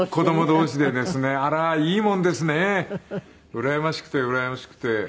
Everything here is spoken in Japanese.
うらやましくてうらやましくて。